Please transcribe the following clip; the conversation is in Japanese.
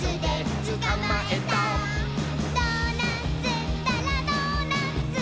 「ドーナツったらドーナツ！」